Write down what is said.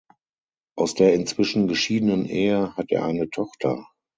Aus der inzwischen geschiedenen Ehe hat er eine Tochter.